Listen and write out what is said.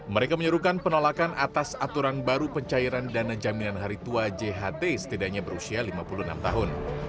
mereka menyuruhkan penolakan atas aturan baru pencairan dana jaminan hari tua jht setidaknya berusia lima puluh enam tahun